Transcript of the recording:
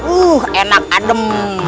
uh enak adem